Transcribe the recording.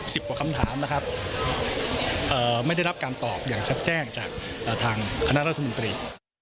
จากหน้าทางคณะรัฐมนตรี